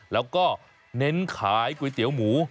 แล้วก็เน้นขายก๋วยเตี๋ยวหมู